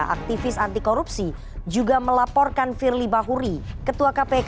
aktivis anti korupsi juga melaporkan firly bahuri ketua kpk